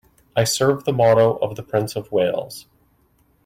I serve the motto of the Prince of Wales.